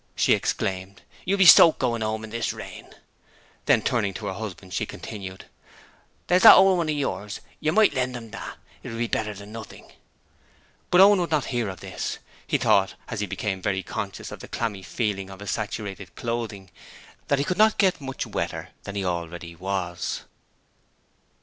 she exclaimed. 'You'll be soaked goin' 'ome in this rain.' Then, turning to her husband, she continued: 'There's that old one of yours; you might lend him that; it would be better than nothing.' But Owen would not hear of this: he thought, as he became very conscious of the clammy feel of his saturated clothing, that he could not get much wetter than he already was.